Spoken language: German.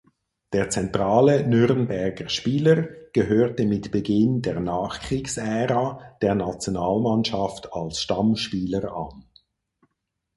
Der zentrale Nürnberger Spieler gehörte mit Beginn der Nachkriegsära der Nationalmannschaft als Stammspieler an.